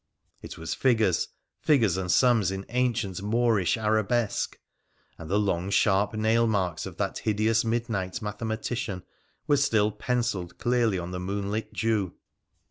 It was figures — figures and sums in ancient Moorish Arabesque ; and the long sharp nail marks of that hideous midnight mathematician were still pencilled clearly on the moonlit dew.